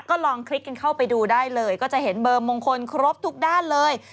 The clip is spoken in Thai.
ก็ลองคลิกกันเข้าไปดูได้เลยก็จะเห็นเบอร์มงคลครบทุกด้านเลย